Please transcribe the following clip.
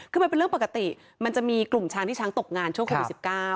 คือมันเป็นเรื่องปกติมันจะมีกลุ่มช้างที่ช้างตกงานช่วงโควิด๑๙